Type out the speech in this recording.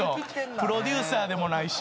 プロデューサーでもないし。